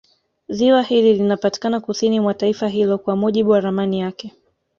Ziwa hili linapatikana kusini mwa taifa hilo kwa mujibu wa ramani yake